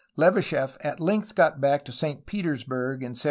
Levashef at length got back to Saint Petersburg in 1771.